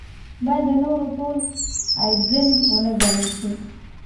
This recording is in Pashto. باید د نورو ټول عیبجن ونه ګڼل شي.